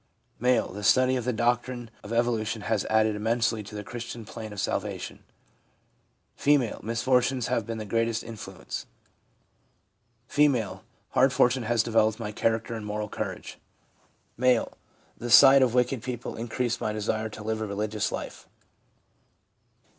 M. ' The study of the doctrine of evolution has added immensely to the Christian plan of salvation.' F. 'Misfortunes have been the greatest influence.' F. ' Hard fortune has developed my character and moral courage.' M. 'The sight of wicked people increased my desire to live a religious life.'